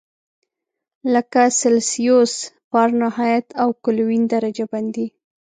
لکه سلسیوس، فارنهایت او کلوین درجه بندي.